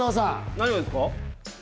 何がですか？